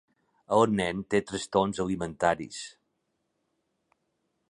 El nen té trastorns alimentaris.